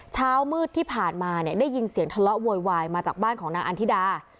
เช้ามืดที่ผ่านมาเนี่ยได้ยินเสียงทะเลาะโวยวายมาจากบ้านของนางอันธิดา